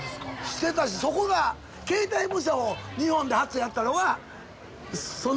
してたしそこが形態模写を日本で初やったのがその日。